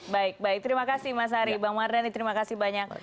baik baik terima kasih mas ari bang mardhani terima kasih banyak